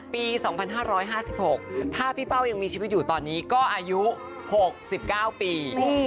ปี๒๕๕๖ถ้าพี่เป้ายังมีชีวิตอยู่ตอนนี้ก็อายุ๖๙ปี